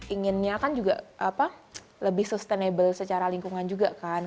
inginnya kan juga lebih sustainable secara lingkungan juga kan